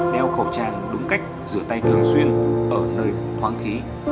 đeo khẩu trang đúng cách rửa tay thường xuyên ở nơi thoáng khí